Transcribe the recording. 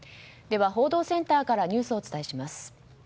では報道センターからニュースをお伝えします。